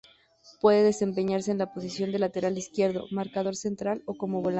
Puede desempeñarse en la posición de lateral izquierdo, marcador central o como volante.